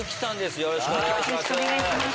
よろしくお願いします。